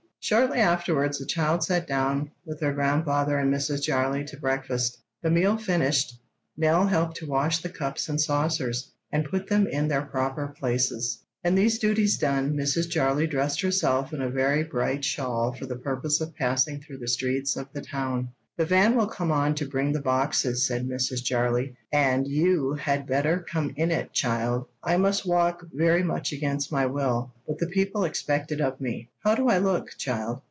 Shortly afterwards the child sat down with her grandfather and Mrs. Jarley to breakfast. The meal finished, Nell helped to wash the cups and saucers, and put them in their proper places; and these duties done, Mrs. Jarley dressed herself in a very bright shawl for the purpose of passing through the streets of the town. "The van will come on to bring the boxes," said Mrs. Jarley, "and you had better come in it, child. I must walk, very much against my will; but the people expect it of me. How do I look, child?"